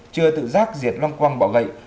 chưa tự giác diệt long quăng bọ gậy